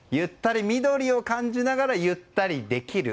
緑を感じながらゆったりできる。